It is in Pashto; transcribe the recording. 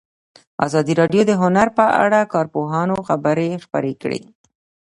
ازادي راډیو د هنر په اړه د کارپوهانو خبرې خپرې کړي.